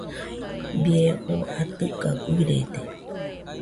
Bie oo atɨka guirede.